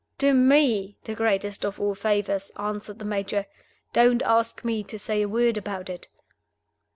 "Do me the greatest of all favors;" answered the Major. "Don't ask me to say a word about it."